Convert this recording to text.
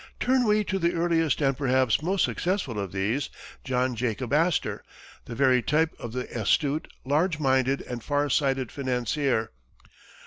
Turn we to the earliest and perhaps most successful of these, John Jacob Astor, the very type of the astute, large minded, and far sighted financier.